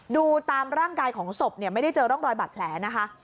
ดูตามร่างกายของศพเนี่ยไม่ได้เจอร่องรอยบาดแผลนะคะ